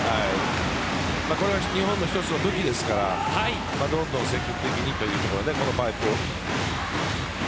日本の１つの武器ですからどんどん積極的にということでこのパイプを。